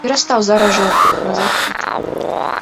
Перастаў зараз жа назад тычку!